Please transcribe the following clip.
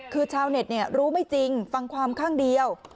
คือชาวเน็ตรู้ไม่จริงฟังความข้างเดียว